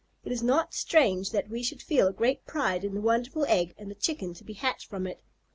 It is not strange that we should feel a great pride in the wonderful egg and the Chicken to be hatched from it.